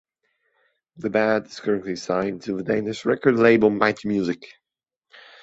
The band is currently signed to the Danish record label Mighty Music.